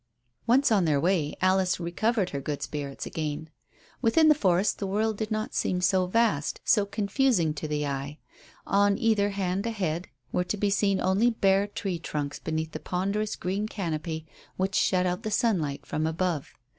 Once on their way Alice recovered her good spirits again. Within the forest the world did not seem so vast, so confusing to the eye. On either hand, ahead, were to be seen only bare tree trunks beneath the ponderous green canopy which shut out the sunlight from above.